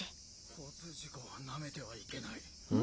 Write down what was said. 交通事故はなめてはいけない。